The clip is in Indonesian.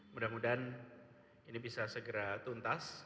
mudah mudahan ini bisa segera tuntas